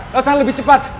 lo tahan lebih cepat